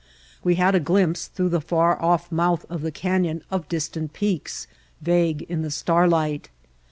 We had a glimpse through the far off mouth of the canyon of distant peaks, vague in the starlight.